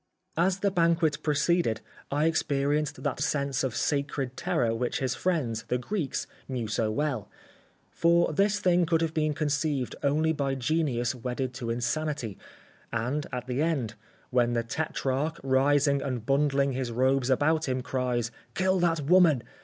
As the banquet proceeded, I experienced that sense of sacred terror which his friends, the Greeks, knew so well. For this thing could have been conceived only by genius wedded to insanity and, at the end, when the tetrarch, rising and bundling his robes about him, cries: "Kill that woman!"